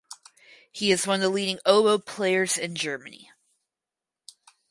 He is one of the leading oboe players in Germany.